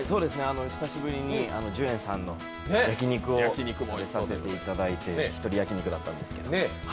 久しぶりに寿苑さんの焼き肉を食べさせていただいてひとり焼肉だったんですけど。